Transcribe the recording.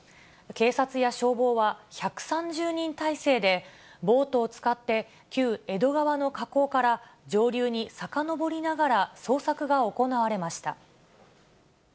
警察や消防は１３０人態勢でボートを使って旧江戸川の河口から、上流にさかのぼりながら捜索が行われました。